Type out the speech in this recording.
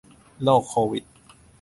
โรคโควิด